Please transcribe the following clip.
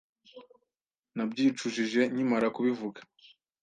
Nabyicujije nkimara kubivuga.